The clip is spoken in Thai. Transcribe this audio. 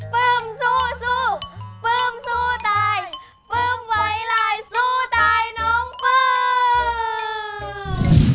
ปื้มสู้ปลื้มสู้ตายปลื้มไว้ลายสู้ตายน้องปื้ม